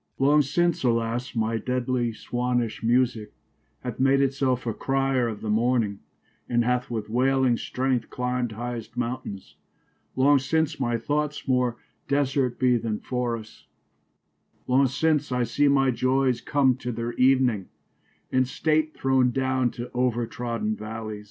Long since alas y my deadly Swannish musique Hath made it selfe a crier of the morning y And hath with wailing stregth clim'd highest mountaines : Long since my thoughts more desert be then forrests : Long since I see my joyes come to their evening y And state throwen downe to over troden v allies.